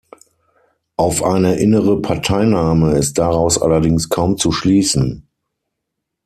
Auf eine innere Parteinahme ist daraus allerdings kaum zu schließen.